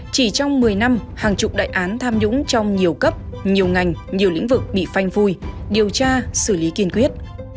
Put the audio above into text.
chỉ trong một mươi năm hàng chục đại án tham nhũng trong nhiều cấp nhiều ngành nhiều lĩnh vực bị phanh phui điều tra xử lý kiên quyết